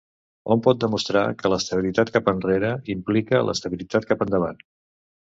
Hom pot demostrar que l'estabilitat cap enrere implica l'estabilitat cap endavant.